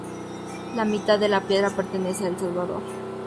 La mitad de la piedra pertenece a El Salvador.